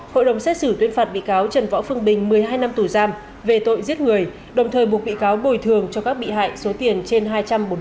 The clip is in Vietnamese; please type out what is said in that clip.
hội đồng xét xử tuyên phạt bị cáo trần võ phương bình một mươi hai năm tù giam về tội giết người đồng thời buộc bị cáo bồi thường cho các bị hại số tiền trên hai trăm bốn mươi triệu đồng